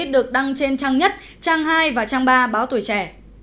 được đăng trên trang nhất trang hai và trang ba báo tuổi trẻ